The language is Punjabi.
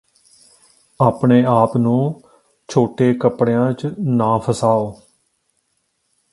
ਆਪਣੇ ਆਪ ਨੂੰ ਛੋਟੇ ਕੱਪੜਿਆਂ ਚ ਨਾਫਸਾਓ